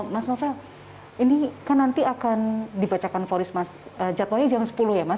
mas novel ini kan nanti akan dibacakan vonis mas jadwalnya jam sepuluh ya mas